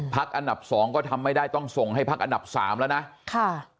ภักดิ์อันดับ๒ก็ทำไม่ได้ต้องส่งให้ภักดิ์อันดับ๓แล้วนะ